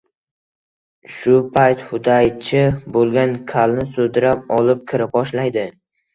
Shu payt hudaychi Bo‘lgan Kalni sudrab olib kira boshlaydi.